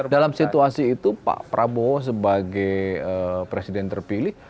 dalam situasi itu pak prabowo sebagai presiden terpilih